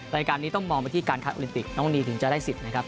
รายการนี้ต้องมองไปที่การคัดโอลิมปิกน้องนีถึงจะได้สิทธิ์นะครับ